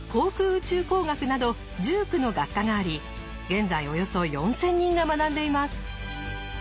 宇宙工学など１９の学科があり現在およそ４，０００人が学んでいます。